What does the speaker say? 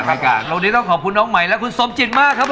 อากาศวันนี้ต้องขอบคุณน้องใหม่และคุณสมจิตมากครับผม